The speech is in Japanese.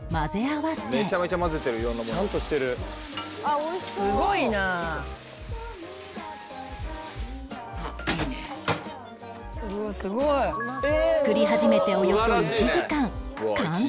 「わあすごい！」作り始めておよそ１時間完成